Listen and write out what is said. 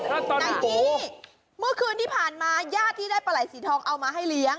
นายกี้เมื่อคืนที่ผ่านมาญาติที่ได้ปลาไหลสีทองเอามาให้เลี้ยง